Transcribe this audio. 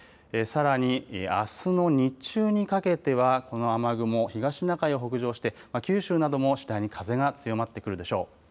さらにあすの日中にかけてはこの雨雲、東シナ海を北上して九州なども次第に風が強まってくるでしょう。